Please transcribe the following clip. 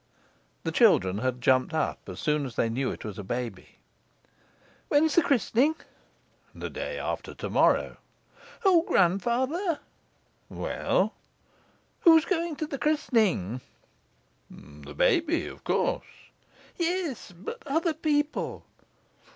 The children had jumped up as soon as they knew it was a baby. "When is the christening?" "The day after to morrow." "O grandfather!" "Well?" "Who is going to the christening?" "The baby, of course." "Yes; but other people?"